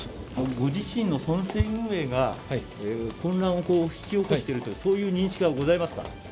ご自身の村政運営が混乱を引き起こしているという、そういう認識はございますか？